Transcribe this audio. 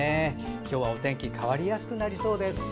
今日も天気変わりやすくなりそうです。